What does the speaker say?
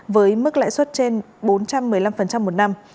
với mức lãi suất trên bốn trăm một mươi năm một năm